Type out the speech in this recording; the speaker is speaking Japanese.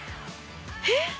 えっ！